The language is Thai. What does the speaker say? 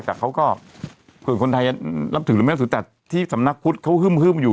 แต่เขาก็คนไทยอ่ะรับถือหรือไม่รับถือแต่ที่สำนักพุทธเขาฮึ้มฮึ้มอยู่